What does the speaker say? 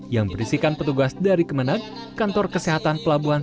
yang berisikan petugas dari kemenang kantor kesehatan pelabuhan